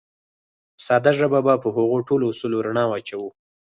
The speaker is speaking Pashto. په ساده ژبه به په هغو ټولو اصولو رڼا واچوو.